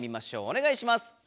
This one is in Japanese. お願いします！